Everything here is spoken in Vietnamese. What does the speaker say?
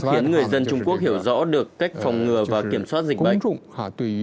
những người dân trung quốc hiểu rõ được cách phòng ngừa và kiểm soát dịch bệnh